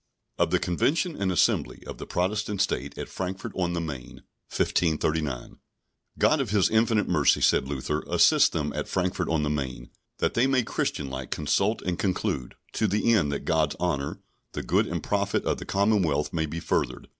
Of the Convention and Assembly of the Protestant State at Frankfort on the Main, 1539. God, of his infinite mercy, said Luther, assist them at Frankfort on the Main, that they may Christian like consult and conclude, to the end that God's honour, the good and profit of the commonwealth may be furthered.